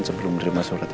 sebelum menerima surat resc